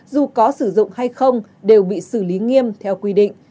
dù có sử dụng hay không đều bị xử lý nghiêm theo quy định